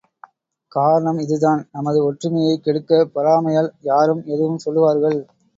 காரணம் இதுதான் நமது ஒற்றுமையைக் கெடுக்க, பொறாமையால் யாரும் எதுவும் சொல்லுவார்கள்?